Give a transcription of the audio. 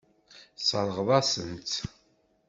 Tesseṛɣeḍ-asen-tt.